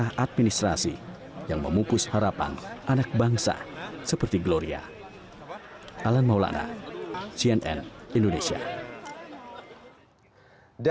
pernah dua sudah melaku penurunan bendera di prob nacional